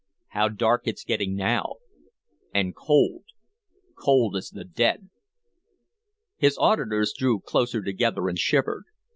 How dark it's getting now, and cold, cold as the dead!" His auditors drew closer together, and shivered.